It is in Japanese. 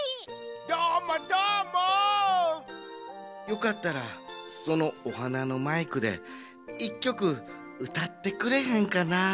よかったらそのお花のマイクで１きょくうたってくれへんかな？